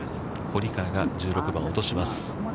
堀川が、１６番を落とします。